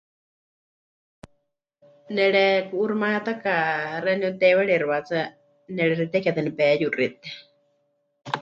Nereku'uuximayátaka xeeníu teiwarixi wahetsɨa, nerexiteketɨ nepeyuxite.